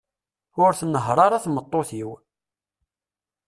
Ur tnehher ara tmeṭṭut-iw.